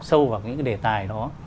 sâu vào những cái đề tài đó